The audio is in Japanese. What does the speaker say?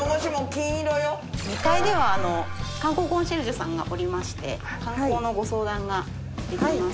２階では観光コンシェルジュさんがおりまして観光のご相談ができます。